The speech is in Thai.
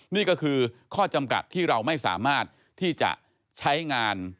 นี่ก็คือข้อจำกัดที่เราไม่สามารถที่จะใช้งาน